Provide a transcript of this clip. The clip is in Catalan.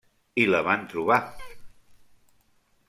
I la van trobar.